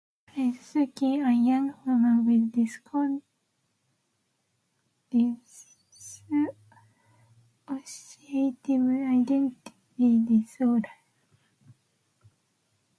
She plays Suki, a young woman with dissociative identity disorder.